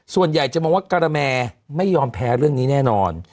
ส่วนใหญ่จะมองว่าการแมไม่ยอมแพ้เรื่องนี้แน่นอน